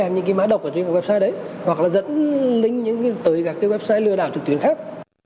kèm những cái mã độc ở trên cái website đấy hoặc là dẫn linh tới các cái website lừa đảo trực tuyến khác